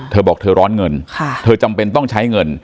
เธอบอกเธอร้อนเงินเธอจำเป็นต้องใช้เงิน